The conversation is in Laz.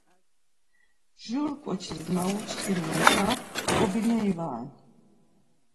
Jur ǩoçis na uçkin muntxa t̆ǩobineri var ren.